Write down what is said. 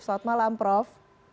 selamat malam prof